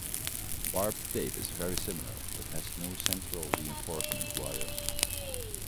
Barbed tape is very similar, but has no central reinforcement wire.